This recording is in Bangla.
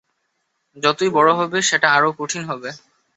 যতই বড় হবে, সেটা আরও কঠিন হবে।